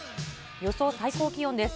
予想最高気温です。